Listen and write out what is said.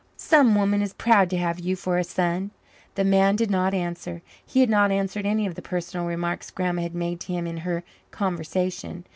"Some woman is proud to have you for a son." The man did not answer. He had not answered any of the personal remarks Grandma had made to him in her conversation.